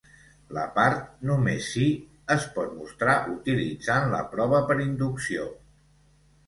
La part "només si" es pot mostrar utilitzant la prova per inducció.